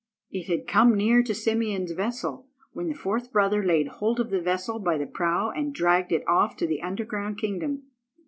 It had come near to Simeon's vessel, when the fourth brother laid hold of the vessel by the prow and dragged it off to the underground kingdom.